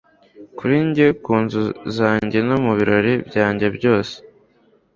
kuri njye ku nzu yanjye no mu birori byanjye byose